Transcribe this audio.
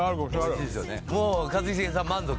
もう一茂さん満足？